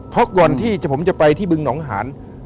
เพราะก่อนที่ผมจะไปที่บึงหนองหาน